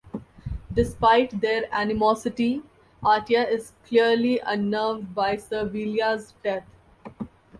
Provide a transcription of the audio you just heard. Despite their animosity, Atia is clearly unnerved by Servilia's death.